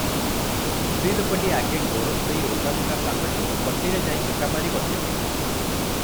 ସ୍ତ୍ରୀ ଲୋକଟି ଆଗେ ଗୋଡ଼ଧୋଇ ଓଦାଲୁଗା ପାଲଟି ପଟିରେ ଯାଇ ଚକାପାରି ବସିଲେ ।